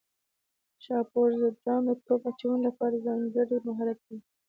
شاپور ځدراڼ د توپ اچونې لپاره ځانګړی مهارت لري.